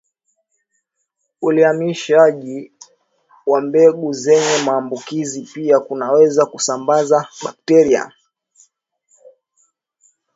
Uhimilishaji wa mbegu zenye maambukizi pia kunaweza kusambaza bakteria